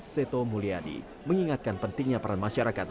seto mulyadi mengingatkan pentingnya peran masyarakat